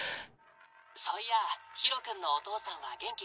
そういやぁ宙君のお父さんは元気？